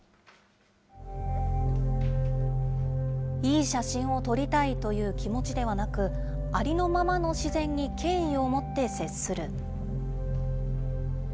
いい写真を撮りたいという気持ちではなく、ありのままの自然に敬意を持って接する。